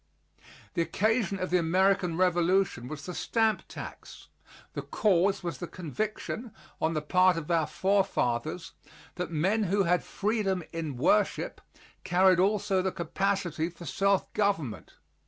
The occasion of the American Revolution was the Stamp Tax; the cause was the conviction on the part of our forefathers that men who had freedom in worship carried also the capacity for self government.